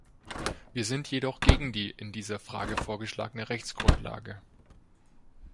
Wir sind jedoch gegen die in dieser Frage vorgeschlagene Rechtsgrundlage.